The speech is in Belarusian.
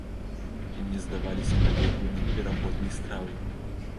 І мне здаваліся гэтыя бліны неверагоднай стравай!